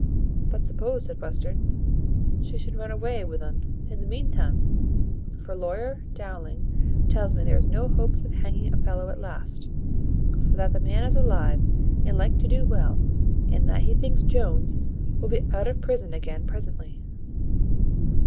"But suppose," said Western, "she should run away with un in the meantime? For lawyer Dowling tells me there is no hopes of hanging the fellow at last; for that the man is alive, and like to do well, and that he thinks Jones will be out of prison again presently."